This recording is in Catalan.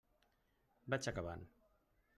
Vaig acabant.